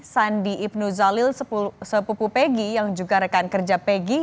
sandi ibnu zalil sepupu pegi yang juga rekan kerja pegg